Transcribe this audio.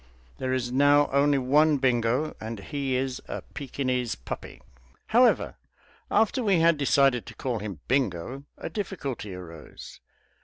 There is now only one Bingo, and he is a Pekinese puppy. However, after we had decided to call him Bingo, a difficulty arose.